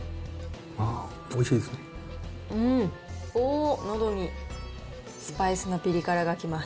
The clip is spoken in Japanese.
おー、のどにスパイスのピリ辛がきます。